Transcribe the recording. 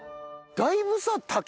だいぶさ竹